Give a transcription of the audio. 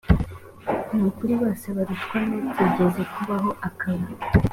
ni ukuri bose barutwa n utigeze kubaho akaba